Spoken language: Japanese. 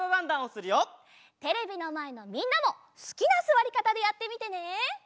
テレビのまえのみんなもすきなすわりかたでやってみてね！